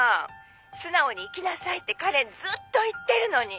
「素直に生きなさいってカレンずっと言ってるのに」